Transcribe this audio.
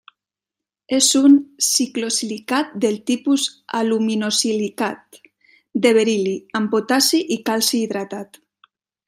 És un ciclosilicat del tipus aluminosilicat de beril·li, amb potassi i calci, hidratat.